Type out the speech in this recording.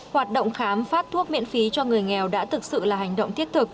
hoạt động khám phát thuốc miễn phí cho người nghèo đã thực sự là hành động thiết thực